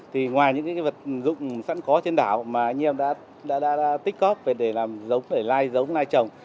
thì ngoài những cái vật dụng sẵn có trên đảo mà anh em đã tích cóp để làm giống để lai trồng